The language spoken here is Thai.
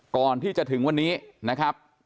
ก่อนที่จะถึงวันนี้นะครับ